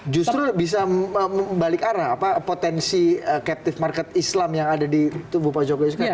justru bisa membalik arah potensi captive market islam yang ada di tubuh pak jokowi sekarang